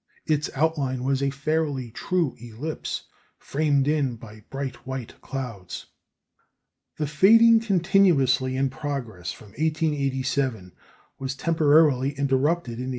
Its outline was a fairly true ellipse, framed in by bright white clouds." The fading continuously in progress from 1887 was temporarily interrupted in 1891.